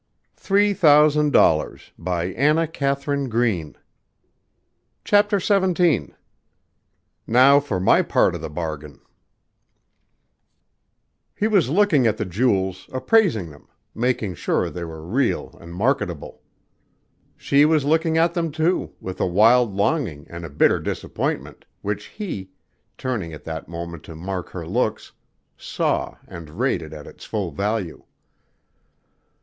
there are not many minutes left. Oh, be merciful and " CHAPTER XVII "Now for my part of the bargain" He was looking at the jewels, appraising them, making sure they were real and marketable. She was looking at them, too, with a wild longing and a bitter disappointment, which he, turning at that moment to mark her looks, saw and rated at its full value.